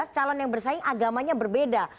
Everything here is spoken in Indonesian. calon yang bersaing agamanya berbeda